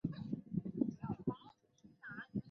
刈羽郡在历史上曾经出现过两次。